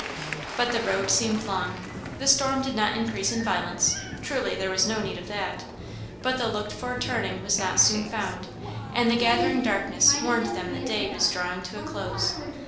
But the road seemed long. The storm did not increase in violence truly there was no need of that but the looked for turning was not soon found, and the gathering darkness warned them day was drawing towards a close.